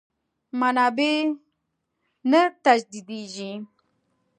منابع نه تجدیدېږي.